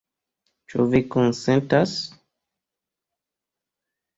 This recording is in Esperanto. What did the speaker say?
Ĉu vi konsentas?